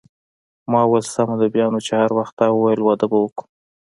ما وویل: سمه ده، بیا نو چې هر وخت تا وویل واده به وکړو.